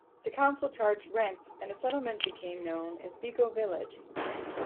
The council charged rent and the settlement became known as Vigo Village.